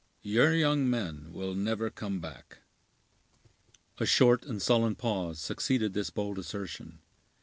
Your young men will never come back!" A short and sullen pause succeeded this bold assertion.